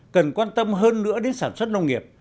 cần quan tâm hơn nữa đến sản xuất nông nghiệp